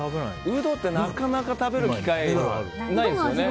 ウドってなかなか食べる機会ないですよね。